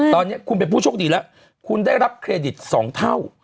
ตอนนี้คุณเป็นผู้โชคดีแล้วคุณได้รับเครดิต๒เท่า